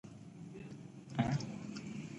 ازادي راډیو د اقلیم د پرمختګ په اړه هیله څرګنده کړې.